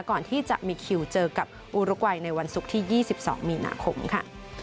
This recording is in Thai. ก่อนที่จะมีคิวเจอกับอุรกวัยในวันศุกร์ที่๒๒มีนาคมค่ะ